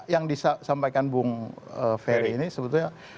yang disampaikan bung ferry ini sebetulnya